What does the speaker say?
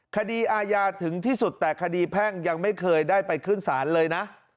คดีอาญาถึงที่สุดแต่คดีแพ่งยังไม่เคยได้ไปขึ้นศาลเลยนะ